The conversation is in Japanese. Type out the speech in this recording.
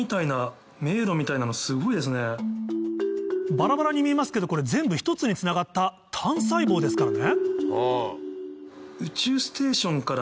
バラバラに見えますけどこれ全部１つにつながった単細胞ですからね